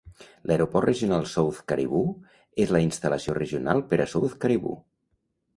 L'Aeroport Regional South Cariboo és la instal·lació regional per a South Cariboo.